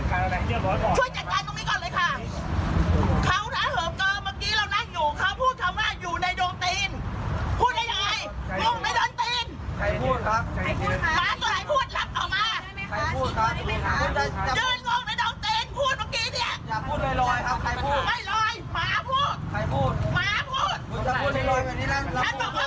ใครพูดม้าพูดฉันบอกว่าม้าพูดใครพูดทำไมมันแล้วก็มีกลับก้าวเหลือคนหน่อยกับฝั่งทำไม